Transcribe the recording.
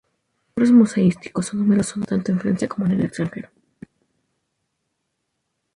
Sus logros museísticos son numerosos, tanto en Francia como en el extranjero.